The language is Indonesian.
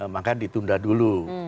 maka ditunda dulu